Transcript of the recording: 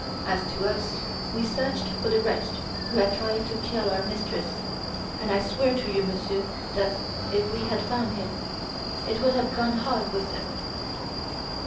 As to us, we searched for the wretch who had tried to kill our mistress, and I swear to you, monsieur, that, if we had found him, it would have gone hard with him!